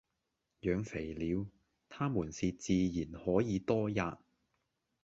養肥了，他們是自然可以多喫；